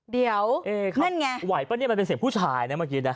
เดี๋ยวนั่นไงไหวป่ะเนี่ยมันเป็นเสียงผู้ชายนะเมื่อกี้นะ